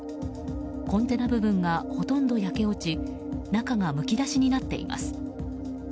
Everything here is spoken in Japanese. コンテナ部分がほとんど焼け落ち中がむき出しになっています。